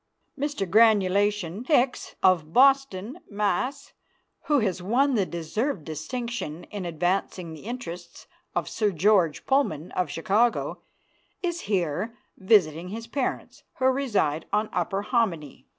Mr. Granulation Hicks, of Boston, Mass., who has won deserved distinction in advancing the interests of Sir George Pullman, of Chicago, is here visiting his parents, who reside on Upper Hominy.